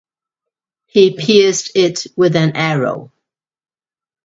He pierced it with an arrow...